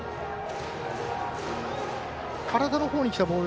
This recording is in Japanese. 体のほうにきたボール